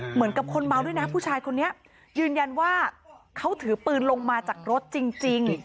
เหมือนกับคนเมาด้วยนะผู้ชายคนนี้ยืนยันว่าเขาถือปืนลงมาจากรถจริง